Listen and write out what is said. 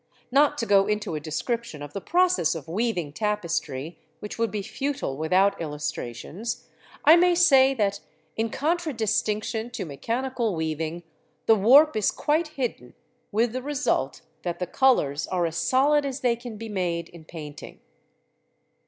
Not to go into a description of the process of weaving tapestry, which would be futile without illustrations, I may say that in contradistinction to mechanical weaving, the warp is quite hidden, with the result that the colours are as solid as they can be made in painting.